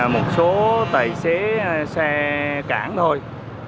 một số tài xế xe cản thôi